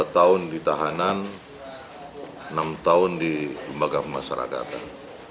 dua tahun di tahanan enam tahun di lembaga pemasarakatan